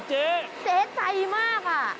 เจ๊ใจมากค่ะ